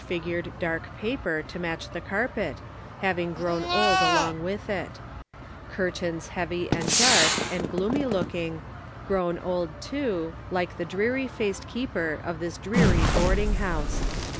413 large figured dark paper to match the carpet, having grown old along with' it; curtains heavy and dark and gloomy looking, grown old, too, like the dreary faced keeper of this dreary boarding house.